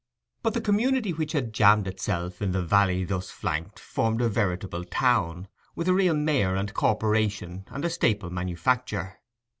But the community which had jammed itself in the valley thus flanked formed a veritable town, with a real mayor and corporation, and a staple manufacture.